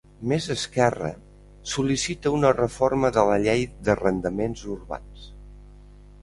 Més Esquerra sol·licita una reforma de la Llei d'Arrendaments Urbans